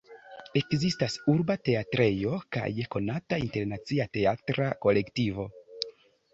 Ekzistas urba teatrejo, kaj konata internacia teatra kolektivo.